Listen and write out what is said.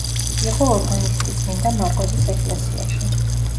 იყო ორგანისტი წმინდა მარკოზის ეკლესიაში.